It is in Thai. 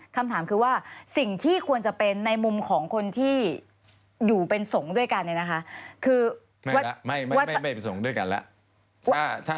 คำถามคือว่าสิ่งที่ควรจะเป็นในมุมของคนที่อยู่เป็นสงค์ด้วยกันเนี่ยนะคะ